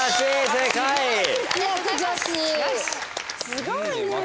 すごいね！